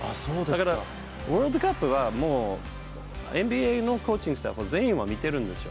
だから、ワールドカップは、もうＮＢＡのコーチングは全員は見てるんですよ。